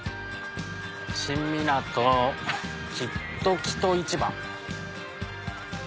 「新湊きっときと市場」。